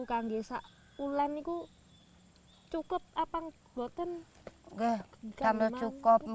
kalau tidak sebulan itu cukup apa